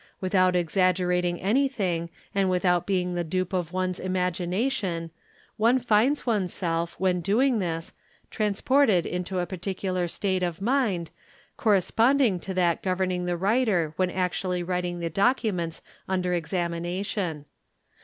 Without exaggerating anything and without being the dupe of one's imagination one finds oneself, when doing this, trans ported into a particular state of mind, corresponding to that governing the writer when actually writing the documents under examination.